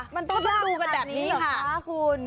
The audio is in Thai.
มันต้องดูกันแบบนี้ค่ะคุณ